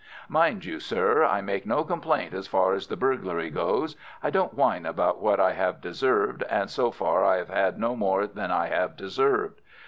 Mind you, sir, I make no complaint as far as the burglary goes. I don't whine about what I have deserved, and so far I have had no more than I have deserved.